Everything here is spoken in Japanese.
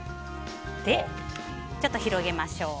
で、ちょっと広げましょう。